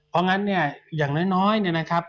เพราะงั้นเนี่ยอย่างน้อยเนี่ยนะครับ